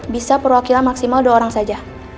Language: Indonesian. bisa perwakilan maksimal dua orang saja